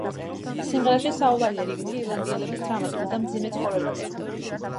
სიმღერაში საუბარია რიგითი ირლანდიელების დრამატულ და მძიმე ცხოვრებაზე.